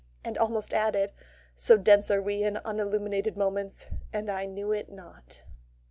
and almost added, so dense are we in unilluminated moments, "and I knew it not."